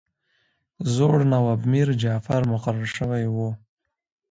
زوړ نواب میرجعفر مقرر شوی وو.